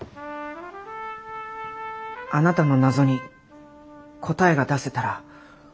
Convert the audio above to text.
あなたの謎に答えが出せたら。